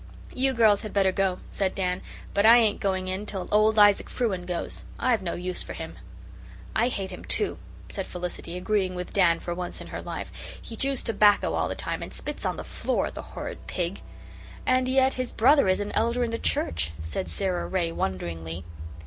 "You girls had better go," said Dan, "but I ain't going in till old Isaac Frewen goes. I've no use for him." "I hate him, too," said Felicity, agreeing with Dan for once in her life. "He chews tobacco all the time and spits on the floor the horrid pig!" "And yet his brother is an elder in the church," said Sara Ray wonderingly.